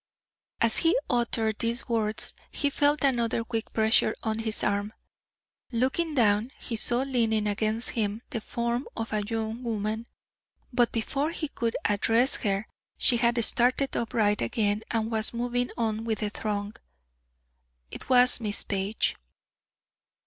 As he uttered these words, he felt another quick pressure on his arm. Looking down, he saw leaning against him the form of a young woman, but before he could address her she had started upright again and was moving on with the throng. It was Miss Page.